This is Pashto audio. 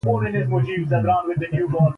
زراعت د خوړو امنیت بنسټیز عنصر ګڼل کېږي.